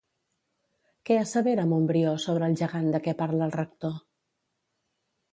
Què assevera Montbrió sobre el gegant de què parla el rector?